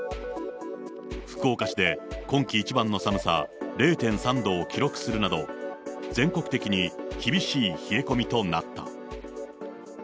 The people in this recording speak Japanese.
福岡市で今季一番の寒さ０．３度を記録するなど、全国的に厳しい冷え込みとなった。